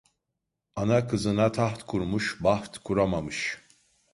Ana kızına taht kurmuş, baht kuramamış.